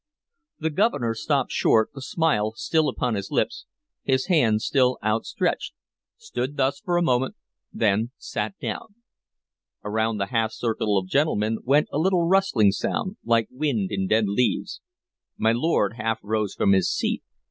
The Governor stopped short, the smile still upon his lips, his hand still outstretched, stood thus for a moment, then sat down. Around the half circle of gentlemen went a little rustling sound, like wind in dead leaves. My lord half rose from his seat.